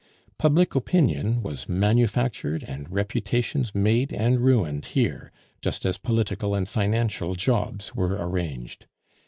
Public opinion was manufactured, and reputations made and ruined here, just as political and financial jobs were arranged.